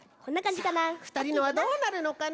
さあふたりのはどうなるのかな。